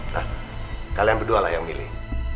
nah kalian berdualah yang milih